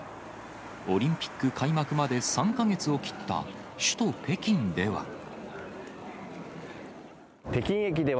オリンピック開幕まで３か月を切った首都北京では。